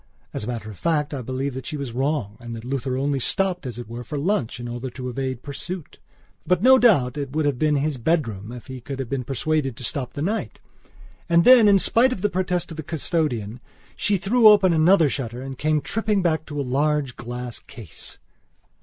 As a matter of fact, I believe that she was wrong and that Luther only stopped, as it were, for lunch, in order to evade pursuit. But, no doubt, it would have been his bedroom if he could have been persuaded to stop the night. And then, in spite of the protest of the custodian, she threw open another shutter and came tripping back to a large glass case.